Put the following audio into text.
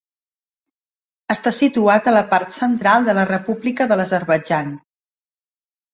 Està situat a la part central de la República de l'Azerbaidjan.